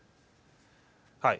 はい。